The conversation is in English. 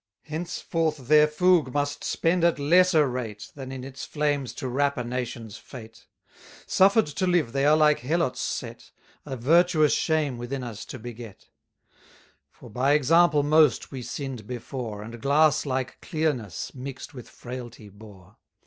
Henceforth their fougue must spend at lesser rate, Than in its flames to wrap a nation's fate. Suffer'd to live, they are like helots set, A virtuous shame within us to beget. For by example most we sinn'd before, And glass like clearness mix'd with frailty bore.